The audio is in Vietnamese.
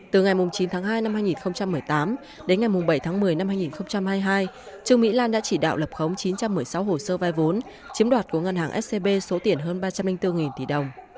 từ ngày chín tháng hai năm hai nghìn một mươi tám đến ngày bảy tháng một mươi năm hai nghìn hai mươi hai trương mỹ lan đã chỉ đạo lập khống chín trăm một mươi sáu hồ sơ vai vốn chiếm đoạt của ngân hàng scb số tiền hơn ba trăm linh bốn tỷ đồng